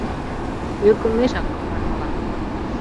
Ӧкымешак, манмыла.